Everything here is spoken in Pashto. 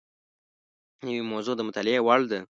نوې موضوع د مطالعې وړ ده